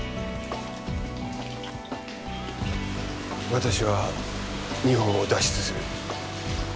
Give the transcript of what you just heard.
私は日本を脱出する。